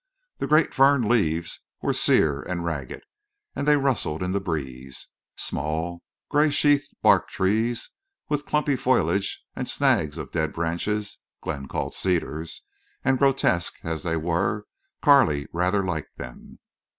The great fern leaves were sear and ragged, and they rustled in the breeze. Small gray sheath barked trees with clumpy foliage and snags of dead branches, Glenn called cedars; and, grotesque as these were, Carley rather liked them.